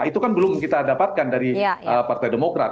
itu kan belum kita dapatkan dari partai demokrat